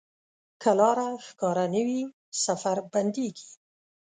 که لاره ښکاره نه وي، سفر بندېږي.